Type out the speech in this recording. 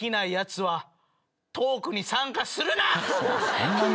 そんなに？